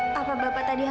tidak amat baik